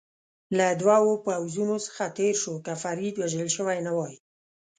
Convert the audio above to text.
له دوو پوځونو څخه تېر شو، که فرید وژل شوی نه وای.